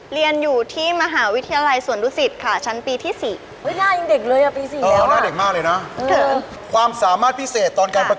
เรียนอยู่ที่มหาวิทยาลัยสวรุษฎิค่ะชั้นปีที่๔นาที๑ครับ